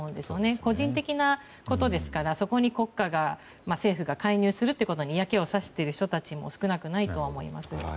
個人的なことですからそこに国家が、政府が介入することに嫌気をさしている人たちも少なくないとは思います。